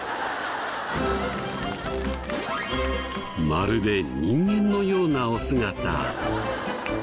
まるで人間のようなお姿。